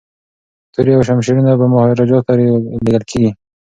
توري او شمشیرونه به مهاراجا ته لیږل کیږي.